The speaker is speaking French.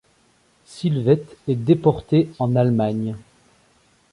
Sylvette est déportée en Allemagne.